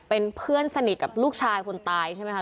เป็นเพื่อนสนิทกับลูกชายคนตายใช่ไหมคะ